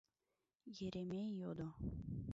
Еремей йодо: